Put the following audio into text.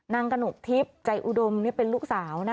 นางกะหนกทิบใจอุดมเป็นลูกสาว